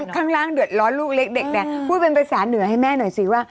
ข้างล่างเดือดร้อนลูกเล็กเด็กเนี่ยพูดเป็นภาษาเหนือให้แม่หน่อยสิว่า